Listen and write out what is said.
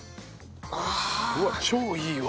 うわっ超いいわ。